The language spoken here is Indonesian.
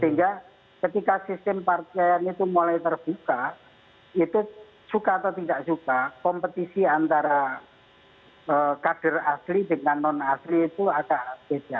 sehingga ketika sistem partai itu mulai terbuka itu suka atau tidak suka kompetisi antara kader asli dengan non asli itu agak beda